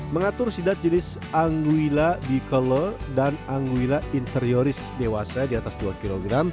mengatur sidap jenis anguilla dicolor dan anguilla interioris dewasa di atas dua kg